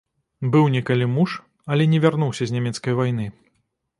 Быў некалі муж, але не вярнуўся з нямецкай вайны.